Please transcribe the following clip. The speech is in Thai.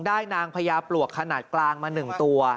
ได้นางพยาปลวกขนาดกลางมาหนึ่งตัว